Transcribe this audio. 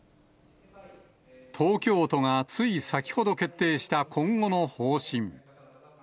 東京都がつい先ほど決定した今後の方針。